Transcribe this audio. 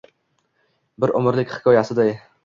bir umrlik hikoyasiday.